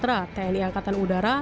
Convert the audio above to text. tni angkatan udara tni angkatan udara